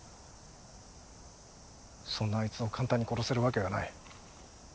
そんなあいつを簡単に殺せるわけがない。